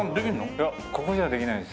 いやここじゃできないです。